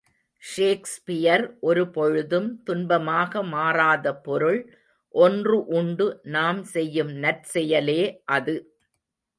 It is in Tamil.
ஷேக்ஸ்பியர் ஒருபொழுதும் துன்பமாக மாறாத பொருள் ஒன்று உண்டு நாம் செய்யும் நற்செயலே அது.